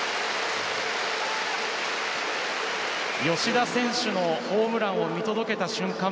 吉田選手のホームランを見届けた瞬間